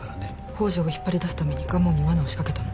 宝条を引っ張り出すために蒲生に罠を仕掛けたの？